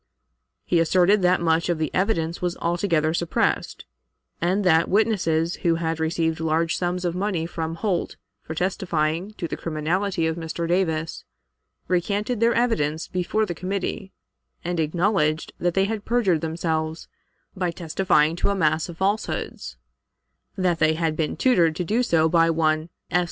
He asserted that much of the evidence was altogether suppressed, and that the witnesses, who had received large sums of money from Holt for testifying to the criminality of Mr. Davis, recanted their evidence before the committee, and acknowledged that they had perjured themselves by testifying to a mass of falsehoods; that they had been tutored to do so by one S.